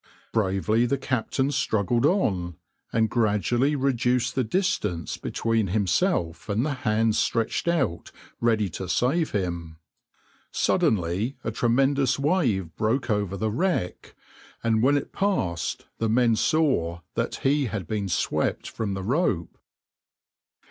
Bravely the captain struggled on, and gradually reduced the distance between himself and the hands stretched out ready to save him. Suddenly a tremendous wave broke over the wreck, and when it passed the men saw that he had been swept from the rope.